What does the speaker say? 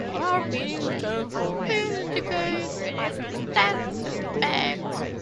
Verbs in English change form to indicate different tenses and aspects.